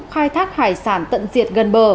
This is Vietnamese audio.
khai thác hải sản tận diệt gần bờ